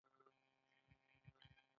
خپل مسوولیت وپیژنئ